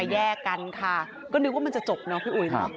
แยกกันค่ะก็นึกว่ามันจะจบเนาะพี่อุ๋ย